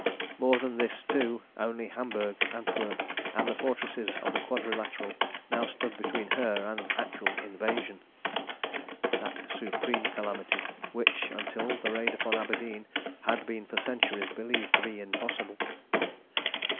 More than this, too, only Hamburg, Antwerp, and the fortresses of the Quadrilateral now stood between her and actual invasion, that supreme calamity which, until the raid upon Aberdeen, had been for centuries believed to be impossible.